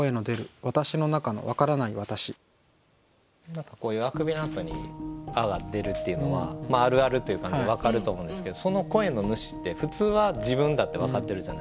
何かこういうあくびのあとに「ああ」が出るっていうのはあるあるというか分かると思うんですけどその声の主って普通は自分だって分かってるじゃないですか。